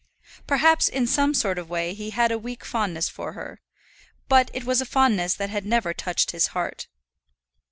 Perhaps in some sort of way he had a weak fondness for her; but it was a fondness that had never touched his heart.